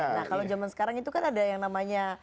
nah kalau zaman sekarang itu kan ada yang namanya